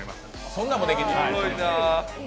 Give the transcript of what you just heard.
そんなんもできんねや。